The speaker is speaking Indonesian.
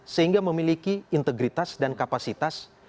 sehingga memiliki integritas dan kapasitas